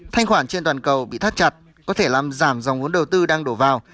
thanh khoản trên toàn cầu bị thắt chặt có thể làm giảm dòng vốn đầu tư đang đổ vào